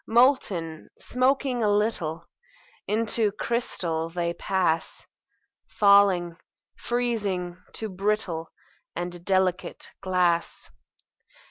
Molten, smoking a little, Into crystal they pass; Falling, freezing, to brittle And delicate glass.